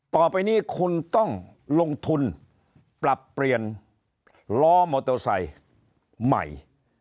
ต่อไปนี้คุณต้องลงทุนปรับเปลี่ยนล้อมอเตอร์ไซค์ใหม่